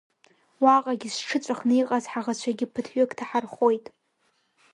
Уаҟагьы зҽыҵәахны иҟаз ҳаӷацәагьы ԥыҭҩык ҭаҳархоит.